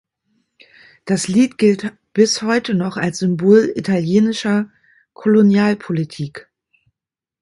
Das Lied gilt bis heute noch als Symbol italienischer Kolonialpolitik.